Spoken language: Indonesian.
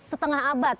lebih dari setengah abad